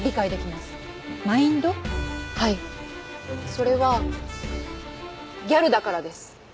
それはギャルだからです。